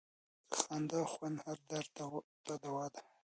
د خندا خوند هر درد ته دوا ده.